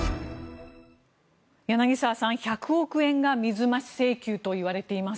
柳澤さん１００億円が水増し請求といわれています。